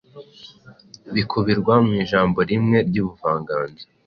Bikubirwa mu ijambo rimwe ry’ubuvanganzo.